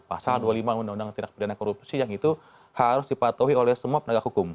pasal dua puluh lima undang undang tindak pidana korupsi yang itu harus dipatuhi oleh semua penegak hukum